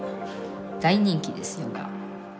大人気ですヨガ。